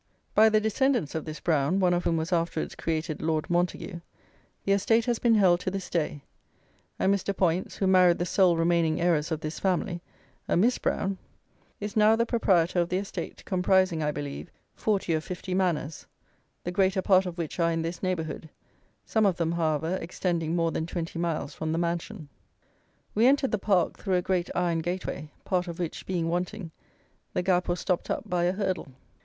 By the descendants of this Brown, one of whom was afterwards created Lord Montague, the estate has been held to this day; and Mr. Poyntz, who married the sole remaining heiress of this family, a Miss Brown, is now the proprietor of the estate, comprising, I believe, forty or fifty manors, the greater part of which are in this neighbourhood, some of them, however, extending more than twenty miles from the mansion. We entered the park through a great iron gateway, part of which being wanting, the gap was stopped up by a hurdle.